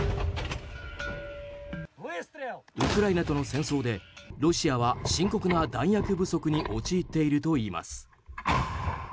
ウクライナとの戦争でロシアは深刻な弾薬不足に陥っているといいます。